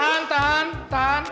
tahan tahan tahan